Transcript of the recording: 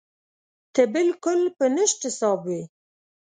ته بالکل په نشت حساب وې.